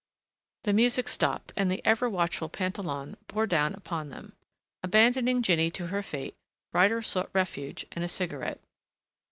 The music stopped and the ever watchful Pantalon bore down upon them. Abandoning Jinny to her fate, Ryder sought refuge and a cigarette.